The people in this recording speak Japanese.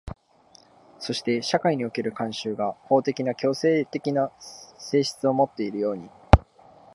そして社会における慣習が法的な強制的な性質をもっているように、